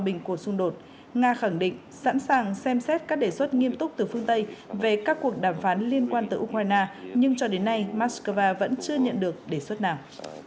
trong cuộc xung đột nga khẳng định sẵn sàng xem xét các đề xuất nghiêm túc từ phương tây về các cuộc đàm phán liên quan tới ukraine nhưng cho đến nay moscow vẫn chưa nhận được đề xuất nào